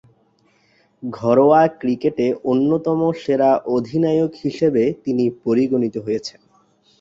ঘরোয়া ক্রিকেটে অন্যতম সেরা অধিনায়ক হিসেবে তিনি পরিগণিত হয়েছেন।